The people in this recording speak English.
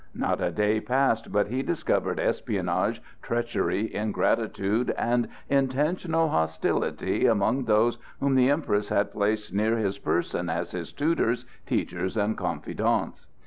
Not a day passed but he discovered espionage, treachery, ingratitude and intentional hostility among those whom the Empress had placed near his person as his tutors, teachers and confidants.